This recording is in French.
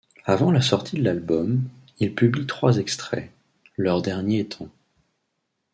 Avant la sortie de l'album, ils publient trois extraits, leur dernier étant '.